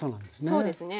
そうですね。